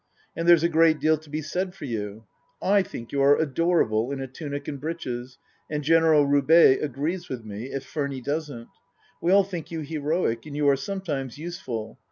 And there's a great deal to be said for you. / think you adorable in a tunic and breeches, and General Roubaix agrees with me, if Furny doesn't. We all think you heroic, and you are sometimes useful.